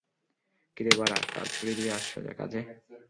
কিরে বাড়া, কাল ছুটি দিয়ে আজ সোজা কাজে!